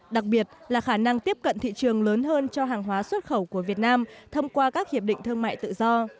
đặc biệt là khả năng tiếp cận thị trường lớn hơn cho hàng hóa xuất khẩu của việt nam thông qua các hiệp định thương mại tự do